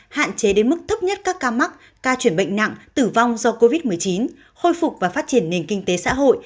hạn chế đến mức thấp nhất các ca mắc ca chuyển bệnh nặng tử vong do covid một mươi chín khôi phục và phát triển nền kinh tế xã hội